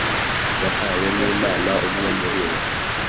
yahawe n Imana umwe muri bo